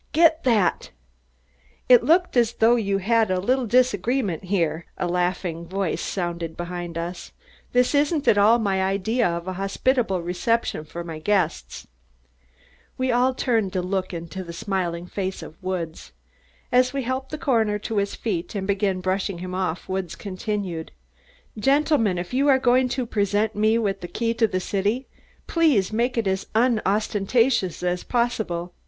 Get that !" "It looks as though you had a little disagreement here," a laughing voice sounded behind us. "This isn't at all my idea of a hospitable reception for my guests." We all turned to look into the smiling face of Woods. As we helped the coroner to his feet and began brushing him off Woods continued: "Gentlemen, if you are going to present me with the key to the city, please make it as unostentatious as possible."